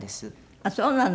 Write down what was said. ああそうなの。